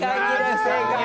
不正解！